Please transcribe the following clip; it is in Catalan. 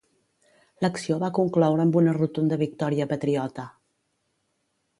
L'acció va concloure amb una rotunda victòria patriota.